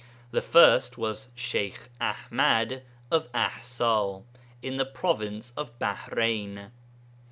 The first was Sheykh Aḥmad of Aḥsa, in the province of Baḥrein.